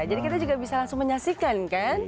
jadi kita juga bisa langsung menyaksikan kan